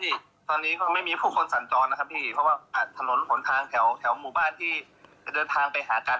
เอาดินมาถมปิดจั้นถนนไม่ให้ข้าวบ้านเดินทางไปหากัน